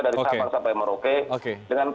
dari sabang sampai merauke